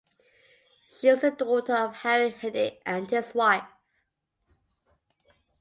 She was the daughter of Harry Henig and his wife.